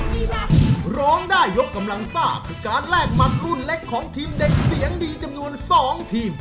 นี่ล่ะร้องได้ยกกำลังซ่าคือการแลกหมัดรุ่นเล็กของทีมเด็กเสียงดีจำนวน๒ทีม